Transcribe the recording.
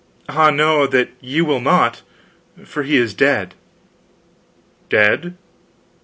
"Ah, no, that ye will not, for he is dead." "Dead?"